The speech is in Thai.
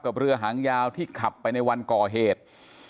เรือหางยาวที่ขับไปในวันก่อเหตุ